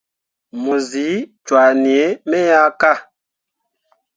Mu zi cwah nii me ya ka.